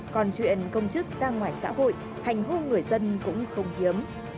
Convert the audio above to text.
còn chuyện công chức ra ngoài xã hội hành hôn người dân cũng không hiếm